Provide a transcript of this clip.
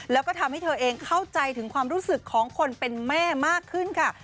แล้วก็ทำให้เธอเองเข้าใจถึงความรู้สึกของคนเป็นแม่มากขึ้นค่ะ